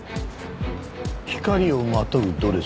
「光をまとうドレス」